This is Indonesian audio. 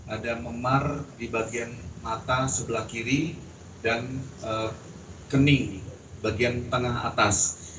ada memar di bagian mata sebelah kiri dan kening bagian tengah atas